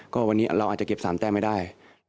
ก็วันนี้เราอาจจะเก็บสามแจ้งไว้ได้